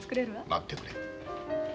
待ってくれ。